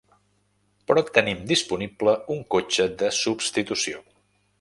Però tenim disponible un cotxe de substitució.